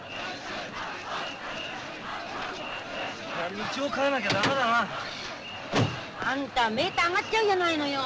道を変えなきゃダメだな。あんたメーター上がっちゃうんじゃないのよ。